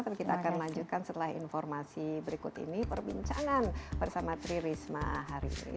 dan kita akan lanjutkan setelah informasi berikut ini perbincangan bersama tri risma hari ini